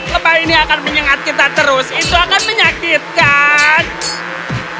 lebah ini akan menyengat kita terus itu akan menyakitkan